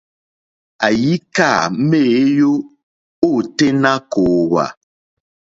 Àyíkâ méěyó ôténá kòòhwà.